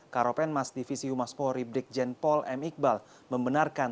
karopenmas divisi humas polri bdikjen pol m iqbal membenarkan